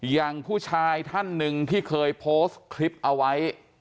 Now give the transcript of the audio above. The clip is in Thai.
อย่างผู้ชายท่านหนึ่งที่เคยโพสต์คลิปเอาไว้